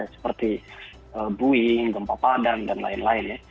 seperti boeing gempa padang dan lain lain ya